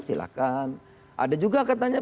silakan ada juga katanya